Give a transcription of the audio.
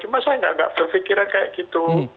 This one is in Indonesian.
cuma saya nggak berpikiran kayak gitu